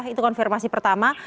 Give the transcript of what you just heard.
itu konfirmasi pertama